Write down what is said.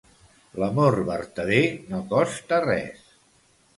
L'amor vertader no costa res.